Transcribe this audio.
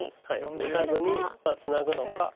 打たずにツナぐのか。